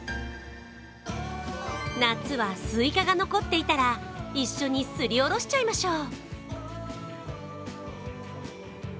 夏はスイカが残っていたら一緒にすりおろしちゃいましょう。